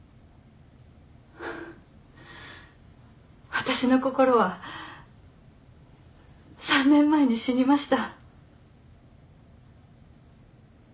私の心は３年前に死にました。